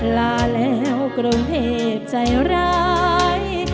ลาแล้วกลมเพศใจร้าย